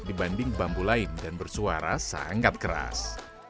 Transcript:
dibanding bambu lain dan bersuara sangat keras